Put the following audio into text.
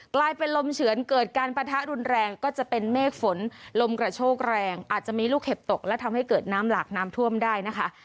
กลายเป็นลมเฉือนเกิดการปะทะรุนแรงก็จะเป็นเมฆฝนลมกระโชกแรงอาจจะมีลูกเห็บตกและทำให้เกิดน้ำหลากน้ำท่วมได้นะคะ